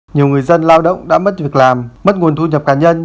nhiều người dân lao động đã mất việc làm mất nguồn thu nhập cá nhân